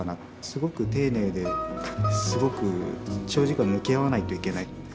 すごく丁寧ですごく長時間向き合わないといけない。